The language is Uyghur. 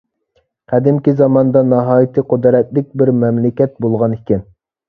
قەدىمكى زاماندا ناھايىتى قۇدرەتلىك بىر مەملىكەت بولغان ئىكەن.